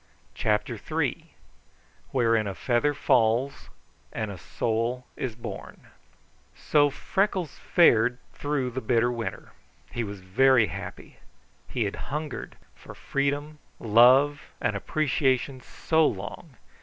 CHAPTER III Wherein a Feather Falls and a Soul Is Born So Freckles fared through the bitter winter. He was very happy. He had hungered for freedom, love, and appreciation so long!